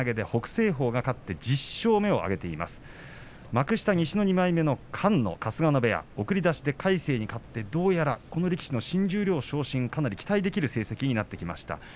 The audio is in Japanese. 幕下西の２枚目の菅野が送り出しで魁聖に勝って新十両昇進がかなり期待できる成績になってきました。